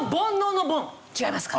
違いますか？